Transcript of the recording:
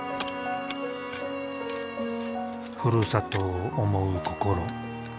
ふるさとを思う心。